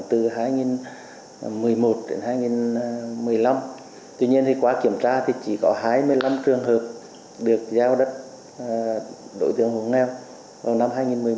tuy nhiên qua kiểm tra chỉ có hai mươi năm trường hợp được giáo đất đối chiếu không nghèo vào năm hai nghìn một mươi một